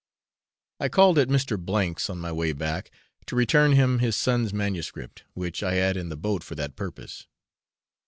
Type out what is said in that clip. I called at Mr. C 's on my way back, to return him his son's manuscript, which I had in the boat for that purpose.